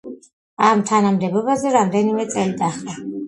ამ თანამდებობაზე რამდენიმე წელი დაჰყო.